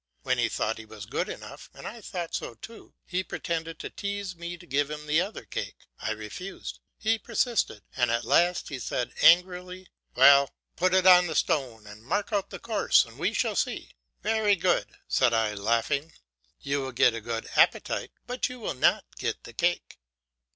When he thought he was good enough (and I thought so too), he pretended to tease me to give him the other cake. I refused; he persisted, and at last he said angrily, "Well, put it on the stone and mark out the course, and we shall see." "Very good," said I, laughing, "You will get a good appetite, but you will not get the cake."